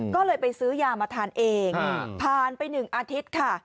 ก็เลยไปซื้อยามาทานเองผ่านไป๑อาทิตย์ค่ะ